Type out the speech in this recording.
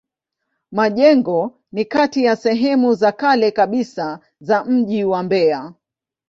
Majengo ni kati ya sehemu za kale kabisa za mji wa Mbeya.